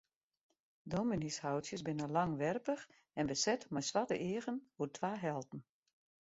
Dominyshoutsjes binne langwerpich en beset mei swarte eagen oer twa helten.